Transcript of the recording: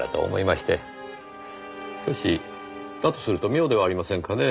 しかしだとすると妙ではありませんかねぇ。